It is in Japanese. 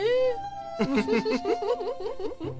ウフフフフフ。